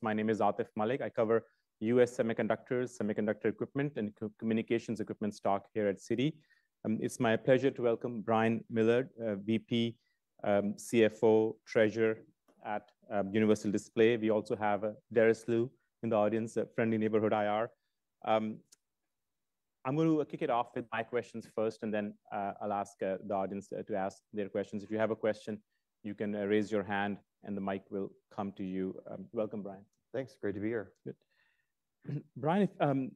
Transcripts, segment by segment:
My name is Atif Malik. I cover US semiconductors, semiconductor equipment, and communications equipment stock here at Citi. It's my pleasure to welcome Brian Millard, VP, CFO, Treasurer at Universal Display. We also have Doris Lau in the audience, a friendly neighborhood IR. I'm going to kick it off with my questions first, and then I'll ask the audience to ask their questions. If you have a question, you can raise your hand, and the mic will come to you. Welcome, Brian. Thanks. Great to be here. Good. Brian,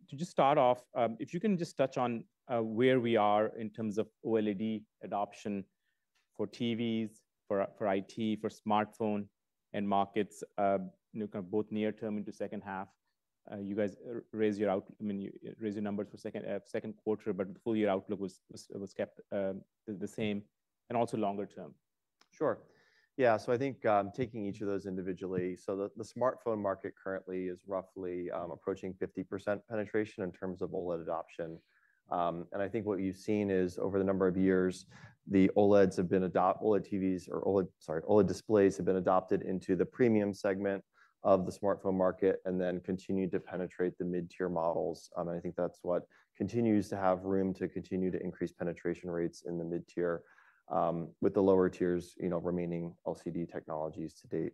to just start off, if you can just touch on where we are in terms of OLED adoption for TVs, for IT, for smartphone and markets, you know, kind of both near term into second half. You guys raised your numbers for second quarter, but the full year outlook was kept the same and also longer term. Sure. Yeah, I think, taking each of those individually. The smartphone market currently is roughly approaching 50% penetration in terms of OLED adoption. I think what you've seen is, over the number of years, OLEDs have been adopted into the premium segment of the smartphone market and then continued to penetrate the mid-tier models. I think that's what continues to have room to continue to increase penetration rates in the mid-tier, with the lower tiers, you know, remaining LCD technologies to date.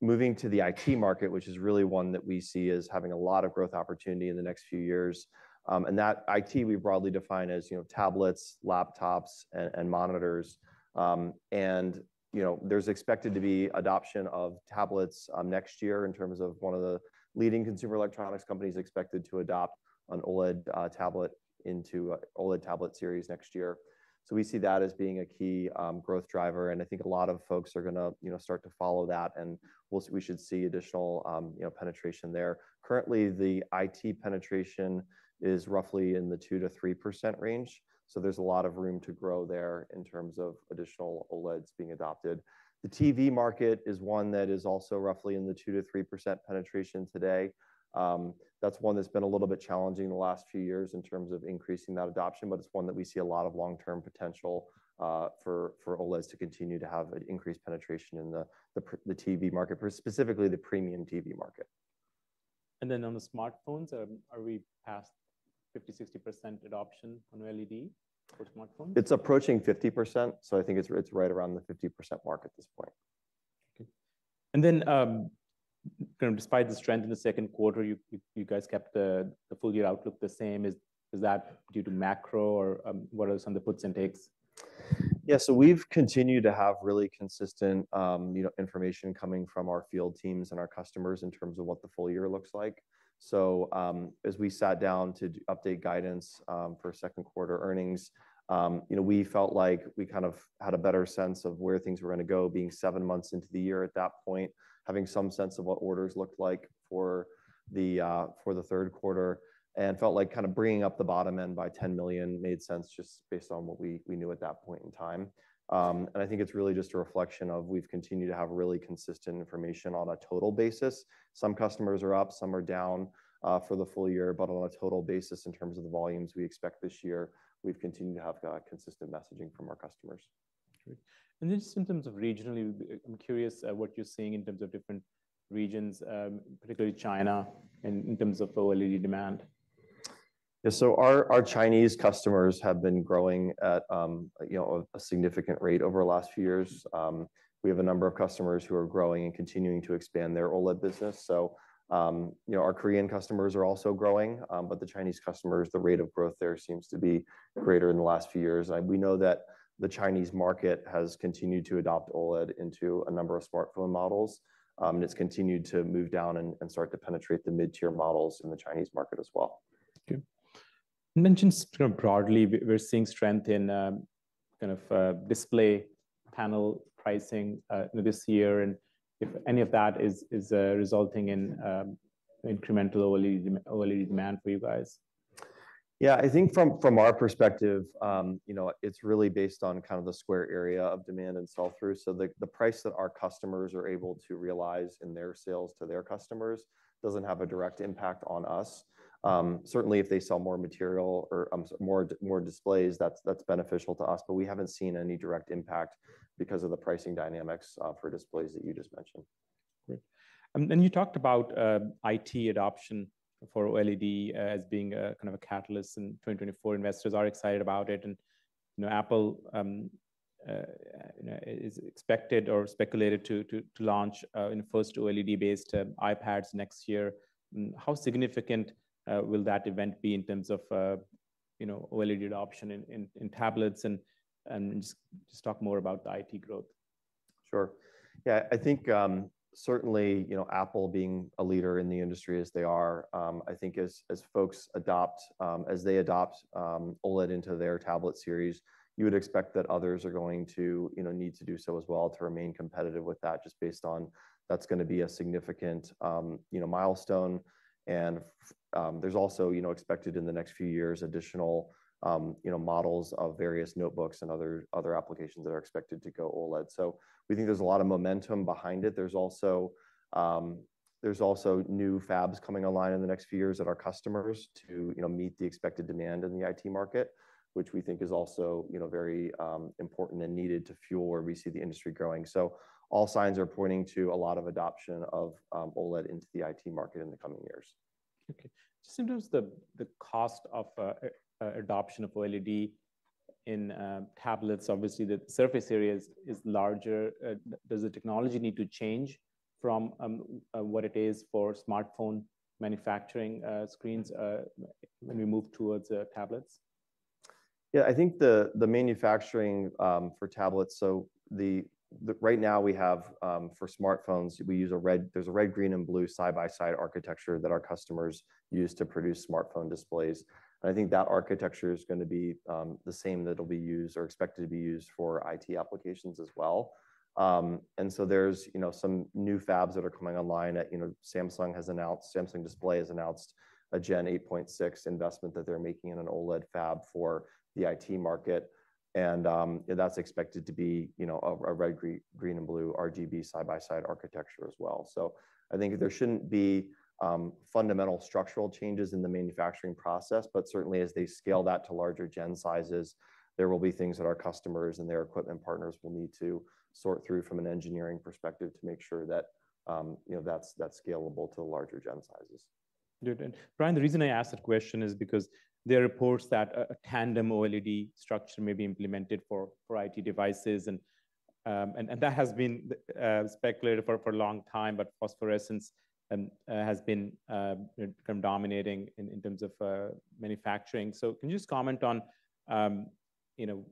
Moving to the IT market, which is really one that we see as having a lot of growth opportunity in the next few years, that IT, we broadly define as, you know, tablets, laptops, and monitors. And, you know, there's expected to be adoption of tablets next year in terms of one of the leading consumer electronics companies expected to adopt an OLED tablet into OLED tablet series next year. So we see that as being a key growth driver, and I think a lot of folks are gonna, you know, start to follow that, and we should see additional, you know, penetration there. Currently, the IT penetration is roughly in the 2%-3% range, so there's a lot of room to grow there in terms of additional OLEDs being adopted. The TV market is one that is also roughly in the 2%-3% penetration today. That's one that's been a little bit challenging in the last few years in terms of increasing that adoption, but it's one that we see a lot of long-term potential for OLEDs to continue to have an increased penetration in the TV market, specifically the premium TV market. On the smartphones, are we past 50%-60% adoption on OLED for smartphones? It's approaching 50%, so I think it's, it's right around the 50% mark at this point. Okay. And then, kind of despite the strength in the second quarter, you guys kept the full year outlook the same. Is that due to macro, or, what are some of the puts and takes? Yeah, so we've continued to have really consistent, you know, information coming from our field teams and our customers in terms of what the full year looks like. So, as we sat down to update guidance, for second quarter earnings, you know, we felt like we kind of had a better sense of where things were gonna go, being seven months into the year at that point, having some sense of what orders looked like for the third quarter. And felt like kind of bringing up the bottom end by $10 million made sense, just based on what we, we knew at that point in time. And I think it's really just a reflection of we've continued to have really consistent information on a total basis. Some customers are up, some are down, for the full year, but on a total basis, in terms of the volumes we expect this year, we've continued to have consistent messaging from our customers. Great. And just in terms of regionally, I'm curious at what you're seeing in terms of different regions, particularly China, in terms of the OLED demand. Yeah, so our Chinese customers have been growing at, you know, a significant rate over the last few years. We have a number of customers who are growing and continuing to expand their OLED business. So, you know, our Korean customers are also growing, but the Chinese customers, the rate of growth there seems to be greater in the last few years. We know that the Chinese market has continued to adopt OLED into a number of smartphone models, and it's continued to move down and start to penetrate the mid-tier models in the Chinese market as well. Okay. You mentioned kind of broadly, we're seeing strength in kind of display panel pricing this year, and if any of that is resulting in incremental OLED demand for you guys? Yeah, I think from our perspective, you know, it's really based on kind of the square area of demand and sell-through. So the price that our customers are able to realize in their sales to their customers doesn't have a direct impact on us. Certainly, if they sell more material or more displays, that's beneficial to us, but we haven't seen any direct impact because of the pricing dynamics for displays that you just mentioned. Great. And you talked about IT adoption for OLED as being a kind of a catalyst in 2024. Investors are excited about it, and, you know, Apple, you know, is expected or speculated to launch the first OLED-based iPads next year. How significant will that event be in terms of, you know, OLED adoption in tablets, and just talk more about the IT growth? Sure. Yeah, I think, certainly, you know, Apple being a leader in the industry as they are, I think as they adopt OLED into their tablet series, you would expect that others are going to, you know, need to do so as well to remain competitive with that, just based on that's gonna be a significant, you know, milestone. There's also, you know, expected in the next few years, additional, you know, models of various notebooks and other applications that are expected to go OLED. So we think there's a lot of momentum behind it. There's also new fabs coming online in the next few years of our customers to, you know, meet the expected demand in the IT market, which we think is also, you know, very important and needed to fuel where we see the industry growing. So all signs are pointing to a lot of adoption of OLED into the IT market in the coming years. Okay. Just in terms of the cost of adoption of OLED in tablets, obviously the surface area is larger. Does the technology need to change from what it is for smartphone manufacturing screens when we move towards tablets? Yeah, I think the manufacturing for tablets, so the right now we have for smartphones, we use a red, green, and blue side-by-side architecture that our customers use to produce smartphone displays. And I think that architecture is gonna be the same that will be used or expected to be used for IT applications as well. And so there's, you know, some new fabs that are coming online. You know, Samsung Display has announced a Gen 8.6 investment that they're making in an OLED fab for the IT market. And that's expected to be, you know, a red, green, and blue RGB side-by-side architecture as well. I think there shouldn't be fundamental structural changes in the manufacturing process, but certainly as they scale that to larger gen sizes, there will be things that our customers and their equipment partners will need to sort through from an engineering perspective to make sure that, you know, that's scalable to larger gen sizes. Good. And, Brian, the reason I asked that question is because there are reports that a tandem OLED structure may be implemented for IT devices, and that has been speculated for a long time, but phosphorescence has become dominating in terms of manufacturing. So can you just comment on, you know,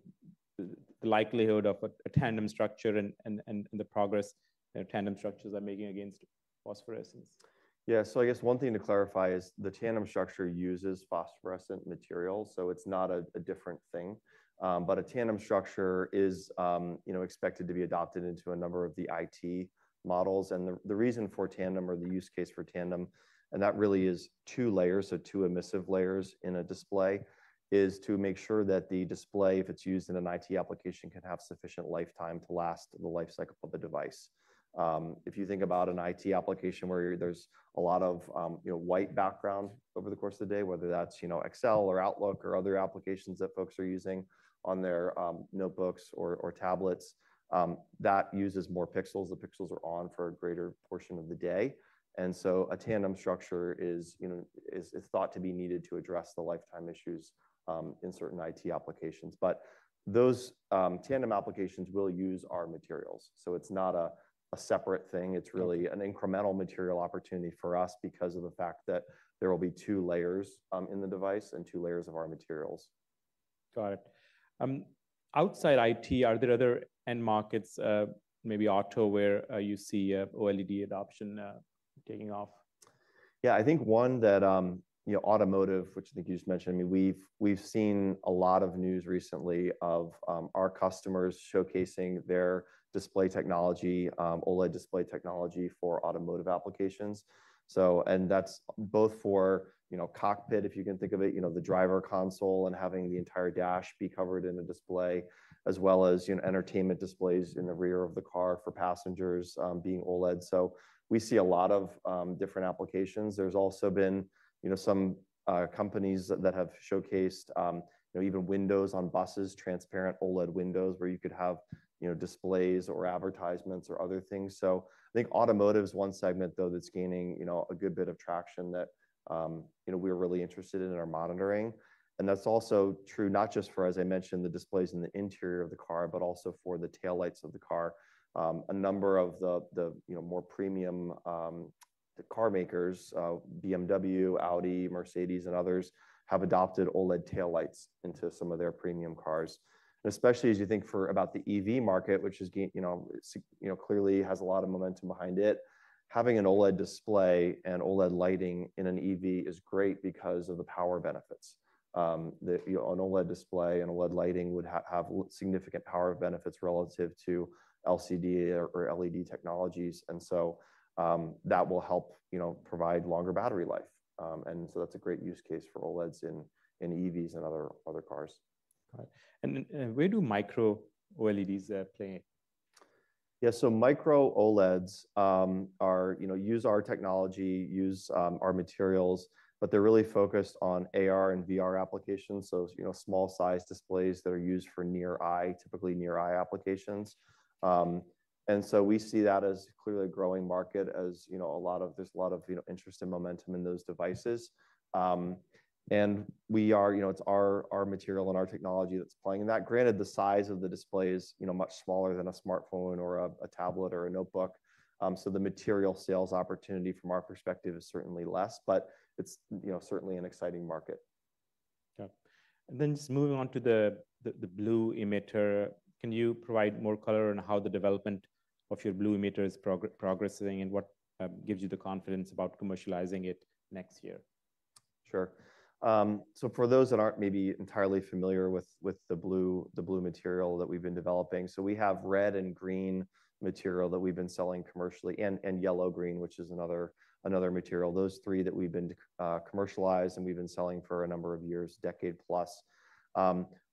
the likelihood of a tandem structure and the progress that tandem structures are making against phosphorescence? Yeah. So I guess one thing to clarify is the tandem structure uses phosphorescent materials, so it's not a different thing. But a tandem structure is, you know, expected to be adopted into a number of the IT models. And the reason for tandem structure or the use case for tandem structure, and that really is two layers, so two emissive layers in a display, is to make sure that the display, if it's used in an IT application, can have sufficient lifetime to last the lifecycle of the device. If you think about an IT application where there's a lot of, you know, white background over the course of the day, whether that's, you know, Excel or Outlook or other applications that folks are using on their, notebooks or tablets, that uses more pixels. The pixels are on for a greater portion of the day. And so a tandem structure is, you know, thought to be needed to address the lifetime issues in certain IT applications. But those tandem applications will use our materials, so it's not a separate thing. It's really an incremental material opportunity for us because of the fact that there will be two layers in the device and two layers of our materials. Got it. Outside IT, are there other end markets, maybe auto, where you see OLED adoption taking off? Yeah, I think one that, you know, automotive, which I think you just mentioned, I mean, we've seen a lot of news recently of, our customers showcasing their display technology, OLED display technology for automotive applications. So... And that's both for, you know, cockpit, if you can think of it, you know, the driver console and having the entire dash be covered in a display, as well as, you know, entertainment displays in the rear of the car for passengers, being OLED. So we see a lot of, different applications. There's also been, you know, some, companies that have showcased, you know, even windows on buses, transparent OLED windows, where you could have, you know, displays or advertisements or other things. So I think automotive is one segment, though, that's gaining, you know, a good bit of traction that, you know, we're really interested in and are monitoring. And that's also true not just for, as I mentioned, the displays in the interior of the car, but also for the tail lights of the car. A number of the, you know, more premium car makers, BMW, Audi, Mercedes, and others, have adopted OLED tail lights into some of their premium cars. And especially as you think for about the EV market, which is, you know, you know, clearly has a lot of momentum behind it, having an OLED display and OLED lighting in an EV is great because of the power benefits. You know, an OLED display and OLED lighting would have significant power benefits relative to LCD or LED technologies, and so that will help, you know, provide longer battery life. And so that's a great use case for OLEDs in EVs and other cars. Got it. And where do micro OLEDs play? Yeah, so Micro OLEDs are you know use our technology use our materials, but they're really focused on AR and VR applications. So, you know, small size displays that are used for near-eye, typically near-eye applications. And so we see that as clearly a growing market, as you know there's a lot of you know interest and momentum in those devices. And we are you know it's our our material and our technology that's playing in that. Granted, the size of the display is you know much smaller than a smartphone or a tablet or a notebook, so the material sales opportunity from our perspective is certainly less, but it's you know certainly an exciting market. Yeah. And then just moving on to the blue emitter, can you provide more color on how the development of your blue emitter is progressing, and what gives you the confidence about commercializing it next year? Sure. So for those that aren't maybe entirely familiar with the blue, the blue material that we've been developing. So we have red and green material that we've been selling commercially, and yellow-green, which is another material. Those three that we've been commercialized and we've been selling for a number of years, decade plus.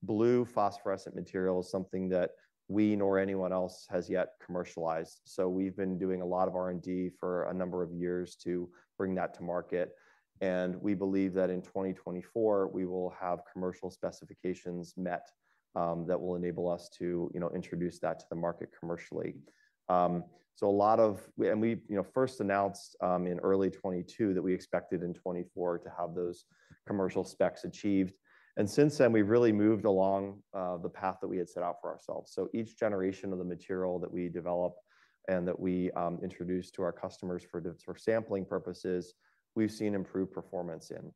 Blue phosphorescent material is something that we nor anyone else has yet commercialized. So we've been doing a lot of R&D for a number of years to bring that to market, and we believe that in 2024, we will have commercial specifications met that will enable us to, you know, introduce that to the market commercially. So a lot of. And we, you know, first announced in early 2022 that we expected in 2024 to have those commercial specs achieved. Since then, we've really moved along the path that we had set out for ourselves. Each generation of the material that we develop and that we introduce to our customers for sampling purposes, we've seen improved performance in.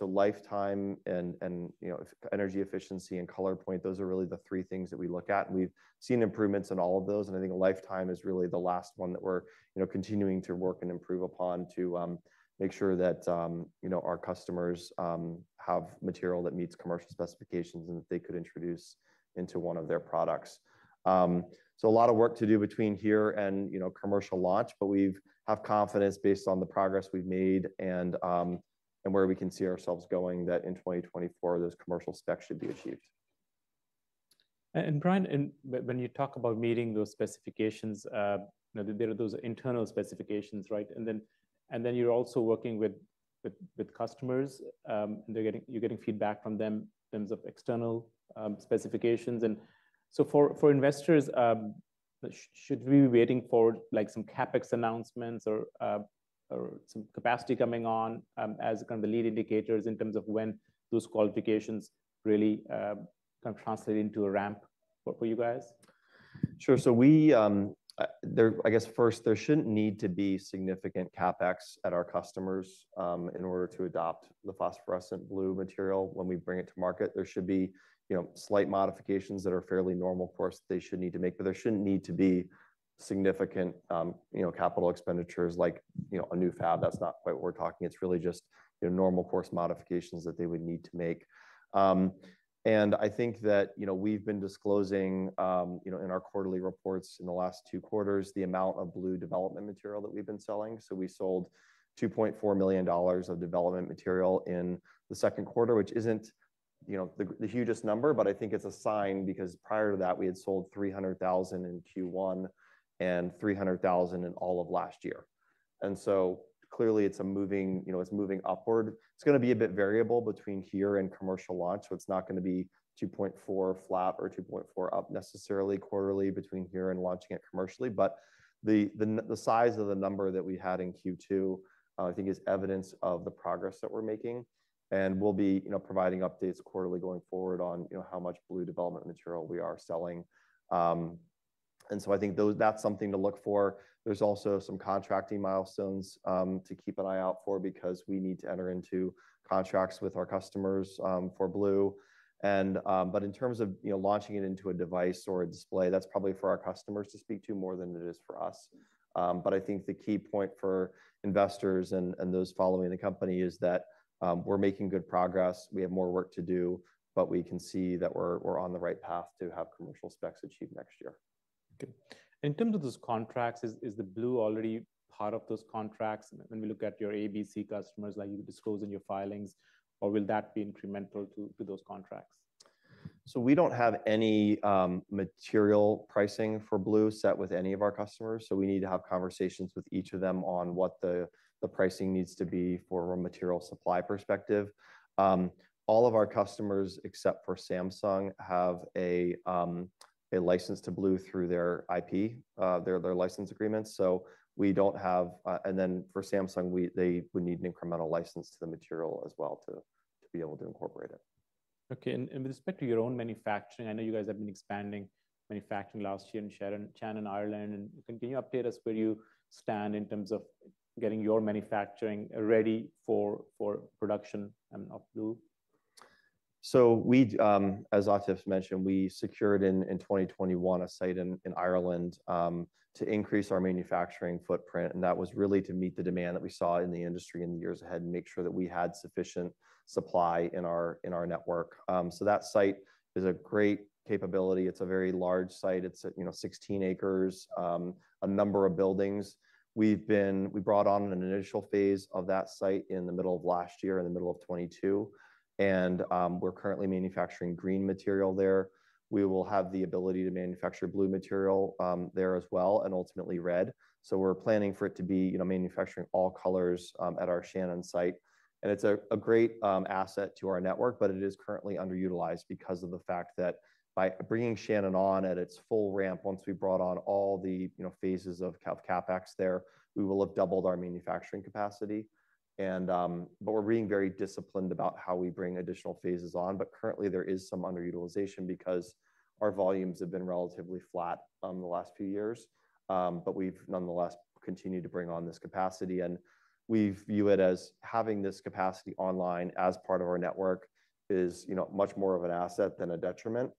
Lifetime and you know, energy efficiency and color point, those are really the three things that we look at, and we've seen improvements in all of those. I think lifetime is really the last one that we're you know, continuing to work and improve upon to make sure that you know, our customers have material that meets commercial specifications and that they could introduce into one of their products. So a lot of work to do between here and, you know, commercial launch, but we have confidence based on the progress we've made and, and where we can see ourselves going, that in 2024, those commercial specs should be achieved. And Brian, when you talk about meeting those specifications, you know, there are those internal specifications, right? And then you're also working with customers, and you're getting feedback from them in terms of external specifications. And so for investors, should we be waiting for, like, some CapEx announcements or some capacity coming on as kind of the lead indicators in terms of when those qualifications really kind of translate into a ramp for you guys? Sure. So we, I guess first, there shouldn't need to be significant CapEx at our customers, in order to adopt the phosphorescent blue material when we bring it to market. There should be, you know, slight modifications that are fairly normal, of course, they should need to make, but there shouldn't need to be significant, you know, capital expenditures like, you know, a new fab. That's not what we're talking. It's really just, you know, normal course modifications that they would need to make. And I think that, you know, we've been disclosing, you know, in our quarterly reports in the last two quarters, the amount of blue development material that we've been selling. So we sold $2.4 million of development material in the second quarter, which isn't, you know, the hugest number, but I think it's a sign because prior to that, we had sold $300,000 in Q1 and $300,000 in all of last year. And so clearly, it's moving. You know, it's moving upward. It's gonna be a bit variable between here and commercial launch, so it's not gonna be $2.4 flat or $2.4 up necessarily quarterly between here and launching it commercially. But the size of the number that we had in Q2, I think is evidence of the progress that we're making, and we'll be, you know, providing updates quarterly going forward on, you know, how much blue development material we are selling. I think that's something to look for. There's also some contracting milestones to keep an eye out for because we need to enter into contracts with our customers for blue. But in terms of, you know, launching it into a device or a display, that's probably for our customers to speak to more than it is for us. But I think the key point for investors and those following the company is that we're making good progress. We have more work to do, but we can see that we're on the right path to have commercial specs achieved next year. Okay. In terms of those contracts, is the blue already part of those contracts when we look at your ABC customers, like you disclose in your filings, or will that be incremental to those contracts? We don't have any material pricing for blue set with any of our customers, so we need to have conversations with each of them on what the pricing needs to be from a material supply perspective. All of our customers, except for Samsung, have a license to blue through their IP, their license agreements, so we don't have-- For Samsung, they would need an incremental license to the material as well to be able to incorporate it. Okay. And with respect to your own manufacturing, I know you guys have been expanding manufacturing last year in Shannon, Ireland. Can you update us where you stand in terms of getting your manufacturing ready for production and of blue? So we, as Atif mentioned, we secured in 2021 a site in Ireland to increase our manufacturing footprint, and that was really to meet the demand that we saw in the industry in the years ahead and make sure that we had sufficient supply in our network. So that site is a great capability. It's a very large site. It's at, you know, 16 acres, a number of buildings. We brought on an initial phase of that site in the middle of last year, in the middle of 2022, and we're currently manufacturing green material there. We will have the ability to manufacture blue material there as well, and ultimately red. So we're planning for it to be, you know, manufacturing all colors at our Shannon site. It's a great asset to our network, but it is currently underutilized because of the fact that by bringing Shannon on at its full ramp, once we brought on all the, you know, phases of CapEx there, we will have doubled our manufacturing capacity. But we're being very disciplined about how we bring additional phases on. But currently, there is some underutilization because our volumes have been relatively flat, the last few years. But we've nonetheless continued to bring on this capacity, and we view it as having this capacity online as part of our network is, you know, much more of an asset than a detriment.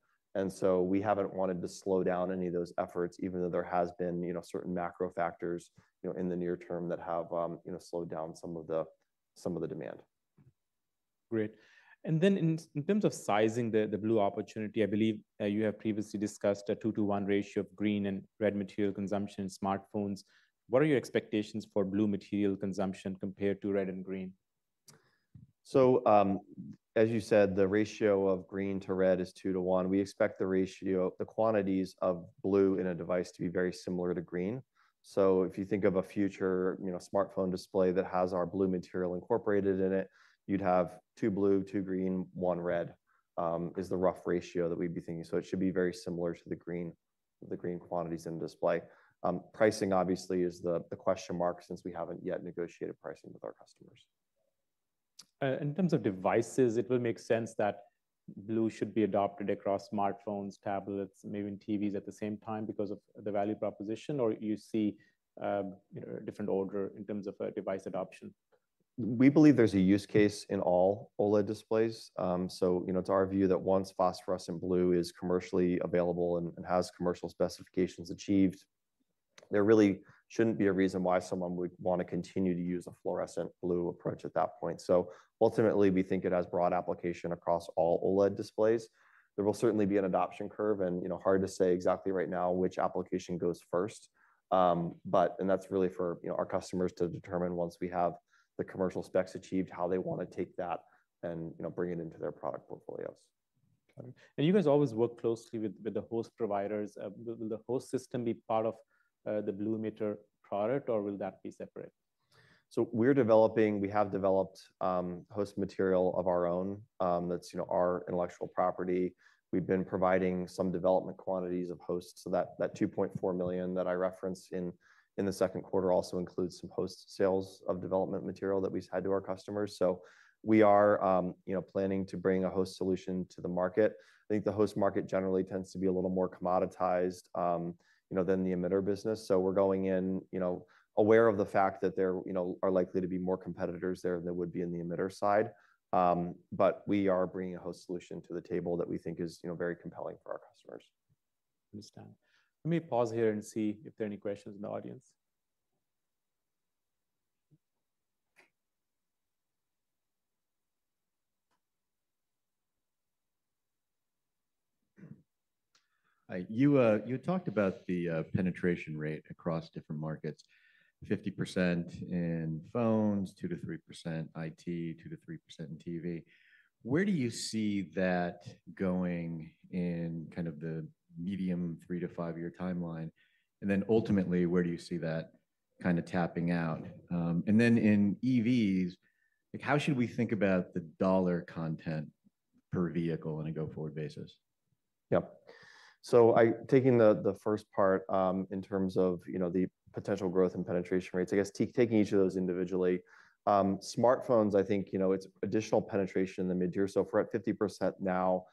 So we haven't wanted to slow down any of those efforts, even though there has been, you know, certain macro factors, you know, in the near term that have, you know, slowed down some of the demand.... Great. And then in terms of sizing the blue opportunity, I believe, you have previously discussed a 2-to-1 ratio of green and red material consumption in smartphones. What are your expectations for blue material consumption compared to red and green? So, as you said, the ratio of green to red is 2 to 1. We expect the ratio, the quantities of blue in a device to be very similar to green. So if you think of a future, you know, smartphone display that has our blue material incorporated in it, you'd have two blue, two green, one red, is the rough ratio that we'd be thinking. So it should be very similar to the green, the green quantities in the display. Pricing obviously is the, the question mark, since we haven't yet negotiated pricing with our customers. In terms of devices, it will make sense that blue should be adopted across smartphones, tablets, maybe in TVs at the same time because of the value proposition, or you see, you know, a different order in terms of device adoption? We believe there's a use case in all OLED displays. You know, it's our view that once phosphorescent blue is commercially available and has commercial specifications achieved, there really shouldn't be a reason why someone would want to continue to use a fluorescent blue approach at that point. Ultimately, we think it has broad application across all OLED displays. There will certainly be an adoption curve, and, you know, hard to say exactly right now which application goes first. That's really for, you know, our customers to determine once we have the commercial specs achieved, how they want to take that and, you know, bring it into their product portfolios. Got it. And you guys always work closely with the host providers. Will the host system be part of the blue emitter product, or will that be separate? So we have developed host material of our own, that's, you know, our intellectual property. We've been providing some development quantities of hosts. So that $2.4 million that I referenced in the second quarter also includes some host sales of development material that we've had to our customers. So we are, you know, planning to bring a host solution to the market. I think the host market generally tends to be a little more commoditized, you know, than the emitter business. So we're going in, you know, aware of the fact that there, you know, are likely to be more competitors there than would be in the emitter side. But we are bringing a host solution to the table that we think is, you know, very compelling for our customers. Understand. Let me pause here and see if there are any questions in the audience. Hi. You, you talked about the penetration rate across different markets, 50% in phones, 2%-3% IT, 2%-3% in TV. Where do you see that going in kind of the medium 3-5-year timeline? And then ultimately, where do you see that kind of tapping out? And then in EVs, like, how should we think about the dollar content per vehicle on a go-forward basis? Yep. So, taking the first part, in terms of, you know, the potential growth and penetration rates, I guess taking each of those individually, smartphones, I think, you know, it's additional penetration in the mid-tier. So if we're at 50% now,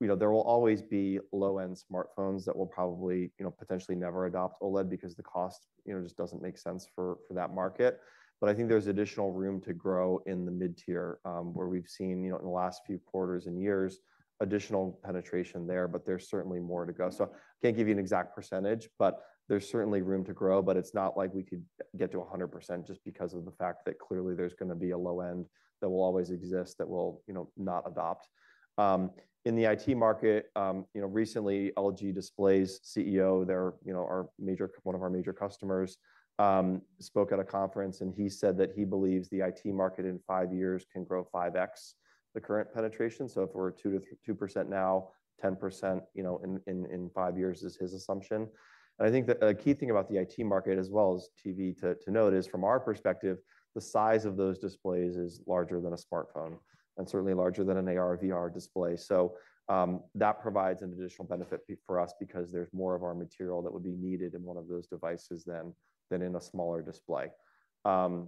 you know, there will always be low-end smartphones that will probably, you know, potentially never adopt OLED because the cost, you know, just doesn't make sense for that market. But I think there's additional room to grow in the mid-tier, where we've seen, you know, in the last few quarters and years, additional penetration there, but there's certainly more to go. So I can't give you an exact percentage, but there's certainly room to grow, but it's not like we could get to 100% just because of the fact that clearly there's going to be a low end that will always exist, that will, you know, not adopt. In the IT market, you know, recently, LG Display's CEO, their, you know, our major—one of our major customers, spoke at a conference, and he said that he believes the IT market in five years can grow 5x, the current penetration. So if we're 2%-2% now, 10%, you know, in five years is his assumption. I think the key thing about the IT market, as well as TV, to note is from our perspective, the size of those displays is larger than a smartphone and certainly larger than an AR or VR display. So, that provides an additional benefit for us because there's more of our material that would be needed in one of those devices than in a smaller display. In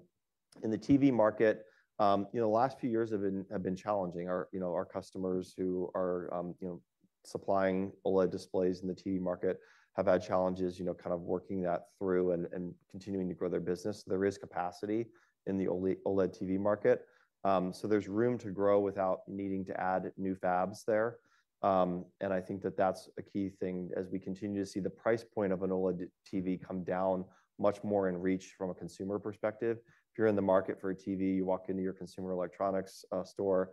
the TV market, you know, the last few years have been challenging. You know, our customers who are, you know, supplying OLED displays in the TV market have had challenges, you know, kind of working that through and continuing to grow their business. There is capacity in the OLED TV market, so there's room to grow without needing to add new fabs there. I think that that's a key thing as we continue to see the price point of an OLED TV come down much more in reach from a consumer perspective. If you're in the market for a TV, you walk into your consumer electronics, you know, store,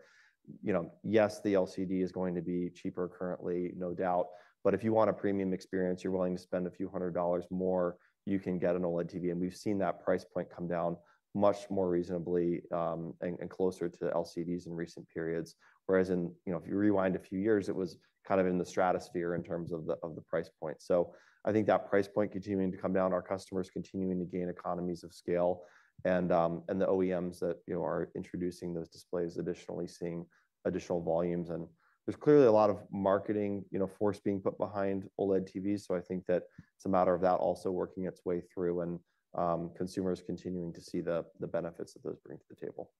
you know, yes, the LCD is going to be cheaper currently, no doubt, but if you want a premium experience, you're willing to spend a few hundred dollars more, you can get an OLED TV. We've seen that price point come down much more reasonably, you know, and closer to LCDs in recent periods. Whereas in, you know, if you rewind a few years, it was kind of in the stratosphere in terms of the price point. So I think that price point continuing to come down, our customers continuing to gain economies of scale, and the OEMs that, you know, are introducing those displays, additionally seeing additional volumes. And there's clearly a lot of marketing, you know, force being put behind OLED TVs, so I think that it's a matter of that also working its way through and consumers continuing to see the benefits that those bring to the table.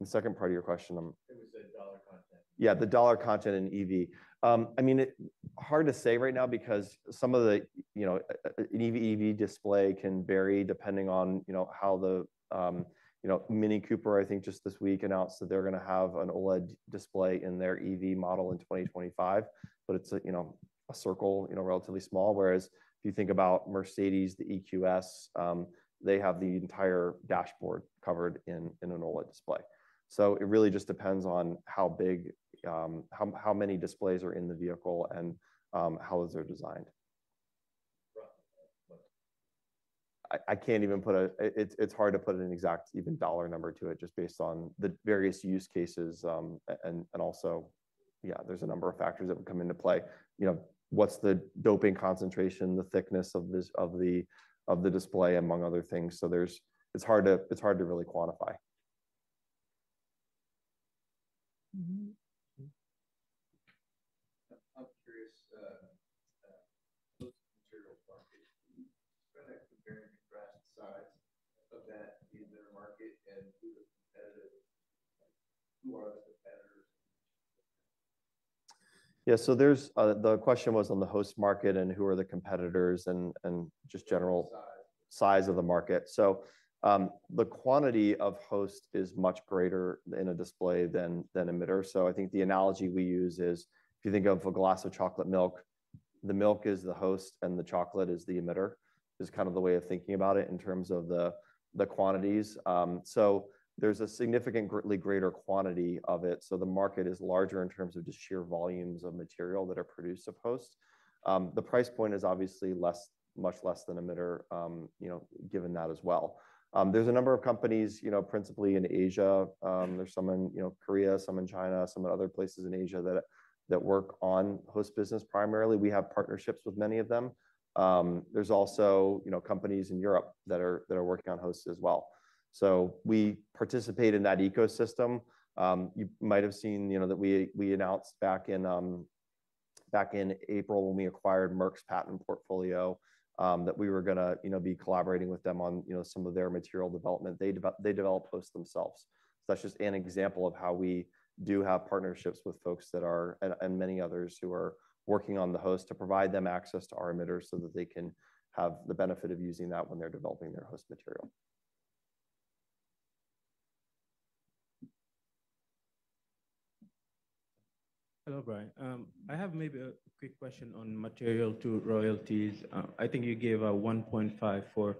The second part of your question, It was the dollar content. Yeah, the dollar content in EV. I mean, hard to say right now because some of the, you know, an EV display can vary depending on, you know, how the, you know, Mini Cooper, I think just this week announced that they're gonna have an OLED display in their EV model in 2025. But it's a, you know, a circle, you know, relatively small. Whereas, if you think about Mercedes, the EQS, they have the entire dashboard covered in an OLED display. So it really just depends on how big, how many displays are in the vehicle and how those are designed. Right, but- I can't even put it—it's hard to put an exact dollar number to it, just based on the various use cases, and also. Yeah, there's a number of factors that would come into play. You know, what's the doping concentration, the thickness of the display, among other things. So it's hard to really quantify. Mm-hmm. I'm curious, host material market, compare and contrast the size of that in the market and who the competitor, who are the competitors? Yeah. So there's the question was on the host material, and who are the competitors, and just general- Size. size of the market. So, the quantity of host is much greater in a display than emitter. So I think the analogy we use is, if you think of a glass of chocolate milk, the milk is the host and the chocolate is the emitter, is kind of the way of thinking about it in terms of the quantities. So there's a significantly greater quantity of it, so the market is larger in terms of just sheer volumes of material that are produced of hosts. The price point is obviously less, much less than emitter, you know, given that as well. There's a number of companies, you know, principally in Asia. There's some in, you know, Korea, some in China, some in other places in Asia, that work on host business. Primarily, we have partnerships with many of them. There's also, you know, companies in Europe that are working on hosts as well. So we participate in that ecosystem. You might have seen, you know, that we announced back in April when we acquired Merck's patent portfolio, that we were gonna, you know, be collaborating with them on some of their material development. They develop hosts themselves. So that's just an example of how we do have partnerships with folks that are, and many others, who are working on the host, to provide them access to our emitters so that they can have the benefit of using that when they're developing their host material. Hello, Brian. I have maybe a quick question on material to royalties. I think you gave a 1.5 for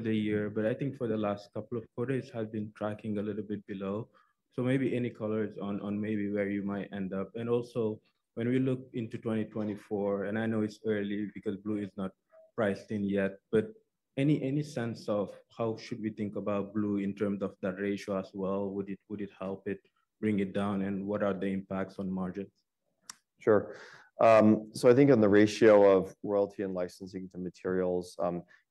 the year, but I think for the last couple of quarters have been tracking a little bit below. So maybe any colors on maybe where you might end up? And also, when we look into 2024, and I know it's early because blue is not priced in yet, but any sense of how should we think about blue in terms of that ratio as well? Would it help it bring it down, and what are the impacts on margins? Sure. So I think on the ratio of royalty and licensing to materials,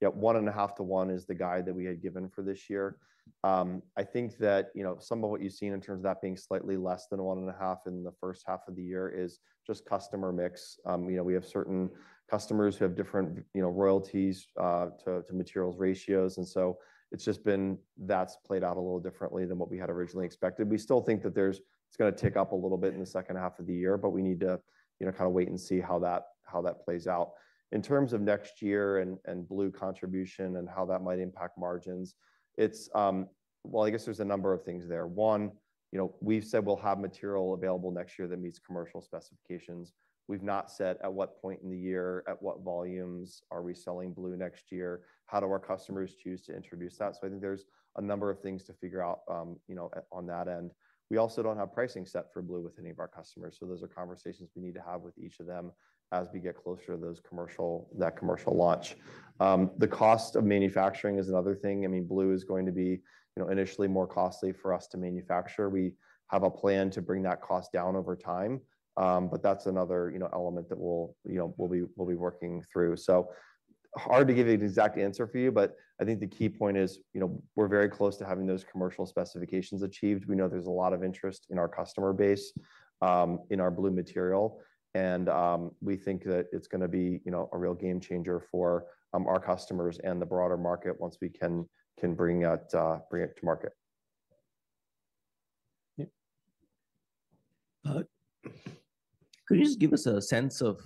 yeah, 1.5 to 1 is the guide that we had given for this year. I think that, you know, some of what you've seen in terms of that being slightly less than 1.5 in the first half of the year is just customer mix. You know, we have certain customers who have different, you know, royalties to materials ratios, and so it's just been. That's played out a little differently than what we had originally expected. We still think that there's. It's gonna tick up a little bit in the second half of the year, but we need to, you know, kind of wait and see how that, how that plays out. In terms of next year and blue contribution and how that might impact margins, it's... Well, I guess there's a number of things there. One, you know, we've said we'll have material available next year that meets commercial specifications. We've not said at what point in the year, at what volumes are we selling blue next year? How do our customers choose to introduce that? So I think there's a number of things to figure out, you know, on that end. We also don't have pricing set for blue with any of our customers, so those are conversations we need to have with each of them as we get closer to that commercial launch. The cost of manufacturing is another thing. I mean, blue is going to be, you know, initially more costly for us to manufacture. We have a plan to bring that cost down over time, but that's another, you know, element that we'll, you know, we'll be, we'll be working through. Hard to give you an exact answer for you, but I think the key point is, you know, we're very close to having those commercial specifications achieved. We know there's a lot of interest in our customer base, you know, in our blue material, and we think that it's gonna be, you know, a real game changer for, you know, our customers and the broader market once we can, can bring that, bring it to market. Yep. Could you just give us a sense of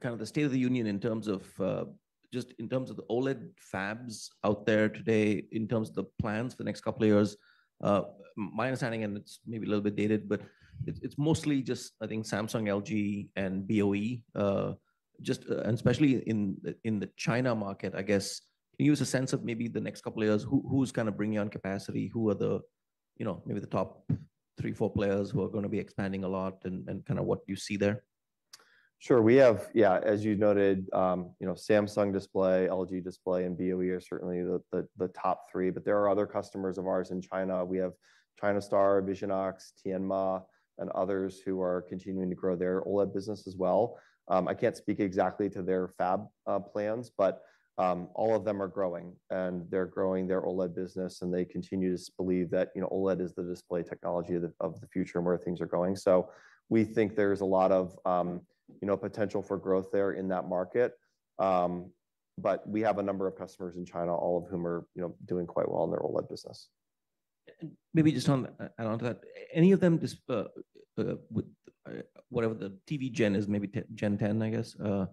kind of the state of the union in terms of, just in terms of the OLED fabs out there today, in terms of the plans for the next couple of years? My understanding, and it's maybe a little bit dated, but it's mostly just, I think, Samsung, LG, and BOE, just, and especially in the China market. I guess, can you give us a sense of maybe the next couple of years, who, who's kind of bringing on capacity? Who are the, you know, maybe the top three, four players who are gonna be expanding a lot, and, and kind of what you see there? Sure. We have... Yeah, as you noted, you know, Samsung Display, LG Display, and BOE are certainly the top three, but there are other customers of ours in China. We have China Star, Visionox, Tianma, and others who are continuing to grow their OLED business as well. I can't speak exactly to their fab plans, but all of them are growing, and they're growing their OLED business, and they continue to believe that, you know, OLED is the display technology of the future and where things are going. So we think there's a lot of, you know, potential for growth there in that market. But we have a number of customers in China, all of whom are, you know, doing quite well in their OLED business.... And maybe just on, add on to that. Any of them just with whatever the TV Gen is, maybe Gen 10, I guess, and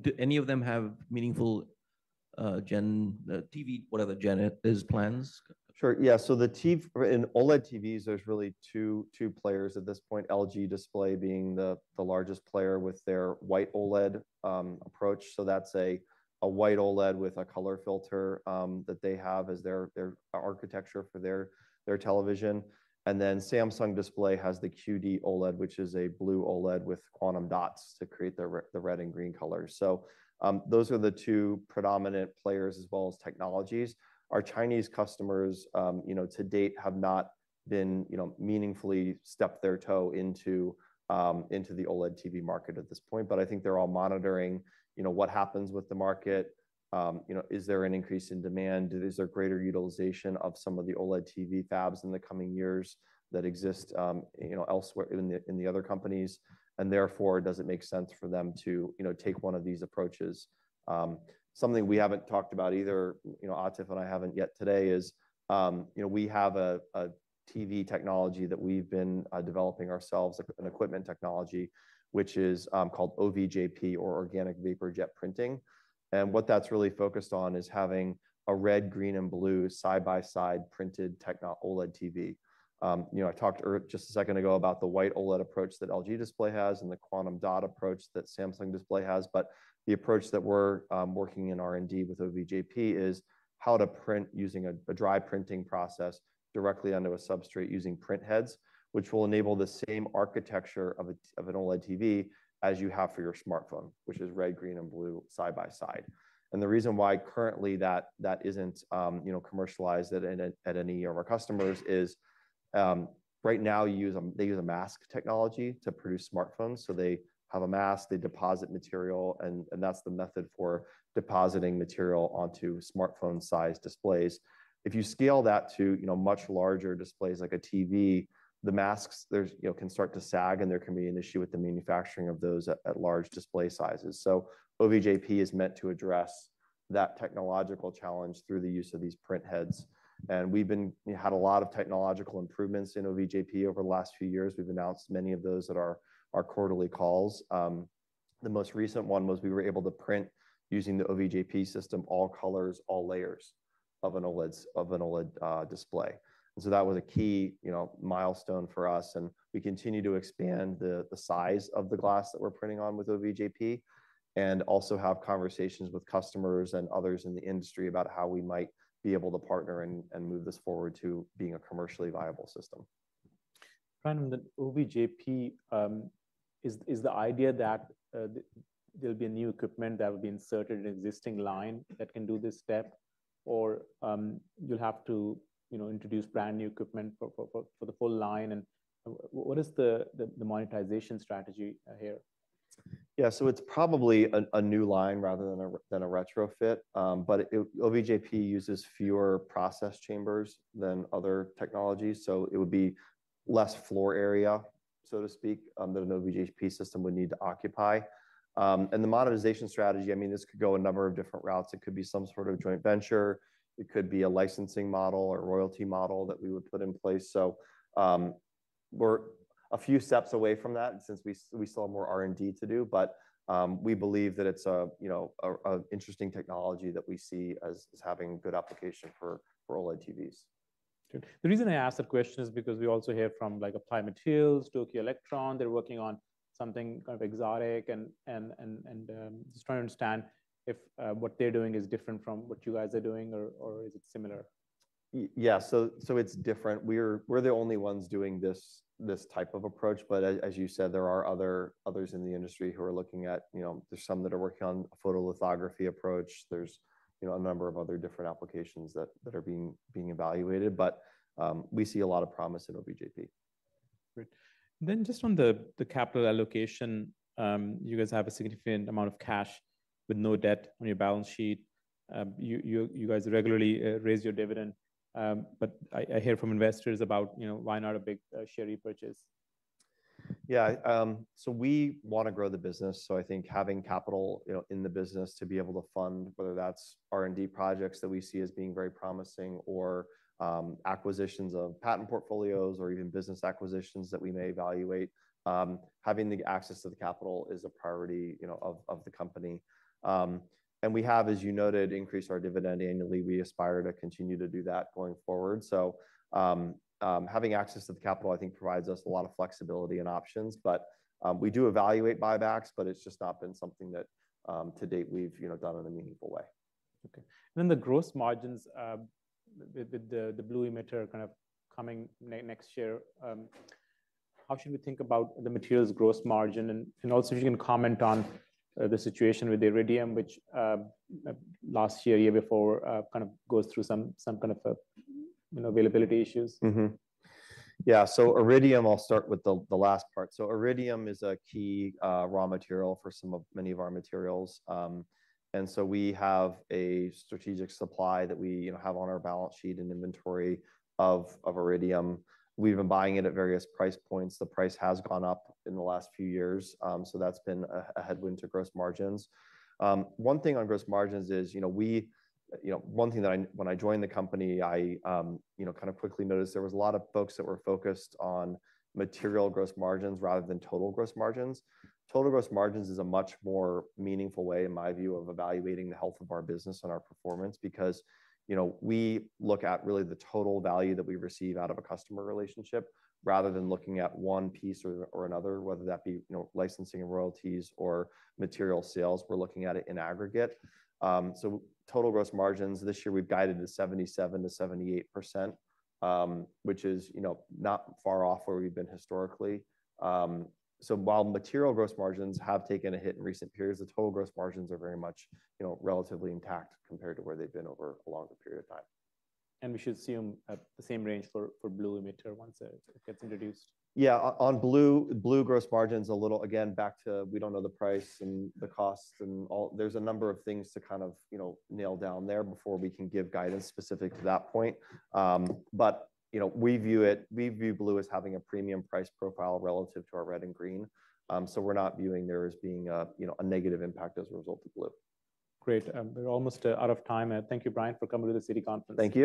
do any of them have meaningful Gen TV, whatever Gen is, plans? Sure, yeah. So the in OLED TVs, there's really two, two players at this point, LG Display being the, the largest player with their White OLED approach. So that's a, a White OLED with a color filter, that they have as their, their architecture for their, their television. And then Samsung Display has the QD-OLED, which is a blue OLED with quantum dots to create the the red and green colors. So, those are the two predominant players as well as technologies. Our Chinese customers, you know, to date, have not been, you know, meaningfully stepped their toe into, into the OLED TV market at this point. But I think they're all monitoring, you know, what happens with the market. You know, is there an increase in demand? Is there greater utilization of some of the OLED TV fabs in the coming years that exist, you know, elsewhere in the other companies? And therefore, does it make sense for them to, you know, take one of these approaches? Something we haven't talked about either, you know, Atif and I haven't yet today is, you know, we have a TV technology that we've been developing ourselves, an equipment technology, which is called OVJP or Organic Vapor Jet Printing. And what that's really focused on is having a red, green, and blue side-by-side printed OLED TV. You know, I talked just a second ago about the white OLED approach that LG Display has and the quantum dot approach that Samsung Display has. But the approach that we're working in R&D with OVJP is how to print using a dry printing process directly onto a substrate using printheads, which will enable the same architecture of an OLED TV as you have for your smartphone, which is red, green, and blue side by side. And the reason why currently that isn't, you know, commercialized at any of our customers is, right now, they use a mask technology to produce smartphones. So they have a mask, they deposit material, and that's the method for depositing material onto smartphone-sized displays. If you scale that to, you know, much larger displays, like a TV, the masks can start to sag, and there can be an issue with the manufacturing of those at large display sizes. So OVJP is meant to address that technological challenge through the use of these printheads. And we've had a lot of technological improvements in OVJP over the last few years. We've announced many of those at our quarterly calls. The most recent one was we were able to print using the OVJP system, all colors, all layers of an OLED display. And so that was a key, you know, milestone for us, and we continue to expand the size of the glass that we're printing on with OVJP, and also have conversations with customers and others in the industry about how we might be able to partner and move this forward to being a commercially viable system. Brian, the OVJP is the idea that there'll be a new equipment that will be inserted in existing line that can do this step, or you'll have to, you know, introduce brand-new equipment for the full line? And what is the monetization strategy here? Yeah, so it's probably a new line rather than a retrofit. But OVJP uses fewer process chambers than other technologies, so it would be less floor area, so to speak, that an OVJP system would need to occupy. And the monetization strategy, I mean, this could go a number of different routes. It could be some sort of joint venture, it could be a licensing model or royalty model that we would put in place. So, we're a few steps away from that since we still have more R&D to do, but, we believe that it's, you know, an interesting technology that we see as having good application for OLED TVs. Good. The reason I ask that question is because we also hear from, like, Applied Materials, Tokyo Electron, they're working on something kind of exotic and just trying to understand if what they're doing is different from what you guys are doing or is it similar? Yeah, so it's different. We're the only ones doing this type of approach, but as you said, there are others in the industry who are looking at... You know, there's some that are working on a photolithography approach. There's, you know, a number of other different applications that are being evaluated, but we see a lot of promise in OVJP. Great. Then just on the capital allocation, you guys have a significant amount of cash with no debt on your balance sheet. You guys regularly raise your dividend, but I hear from investors about, you know, why not a big share repurchase? Yeah, so we want to grow the business. I think having capital, you know, in the business to be able to fund, whether that's R&D projects that we see as being very promising, or acquisitions of patent portfolios, or even business acquisitions that we may evaluate, having the access to the capital is a priority, you know, of the company. We have, as you noted, increased our dividend annually. We aspire to continue to do that going forward. Having access to the capital, I think, provides us a lot of flexibility and options. We do evaluate buybacks, but it's just not been something that, to date we've, you know, done in a meaningful way. Okay. Then the gross margins, with the blue emitter kind of coming next year, how should we think about the materials gross margin? And also, if you can comment on the situation with the iridium, which, last year, year before, kind of goes through some kind of a, you know, availability issues. Mm-hmm. Yeah, so iridium, I'll start with the last part. So iridium is a key raw material for some of, many of our materials. And so we have a strategic supply that we, you know, have on our balance sheet and inventory of iridium. We've been buying it at various price points. The price has gone up in the last few years, so that's been a headwind to gross margins. One thing on gross margins is, you know, one thing that I... When I joined the company, I, you know, kind of quickly noticed there was a lot of folks that were focused on material gross margins rather than total gross margins. Total gross margins is a much more meaningful way, in my view, of evaluating the health of our business and our performance because, you know, we look at really the total value that we receive out of a customer relationship, rather than looking at one piece or another, whether that be, you know, licensing and royalties or material sales. We're looking at it in aggregate. So total gross margins this year, we've guided to 77%-78%, which is, you know, not far off where we've been historically. So while material gross margins have taken a hit in recent periods, the total gross margins are very much, you know, relatively intact compared to where they've been over a longer period of time. We should assume at the same range for blue emitter once it gets introduced? Yeah, on blue, blue gross margin's a little... Again, back to we don't know the price and the cost and all. There's a number of things to kind of, you know, nail down there before we can give guidance specific to that point. But, you know, we view it, we view blue as having a premium price profile relative to our red and green. So we're not viewing there as being a, you know, a negative impact as a result of blue. Great. We're almost out of time. Thank you, Brian, for coming to the Citi Conference. Thank you.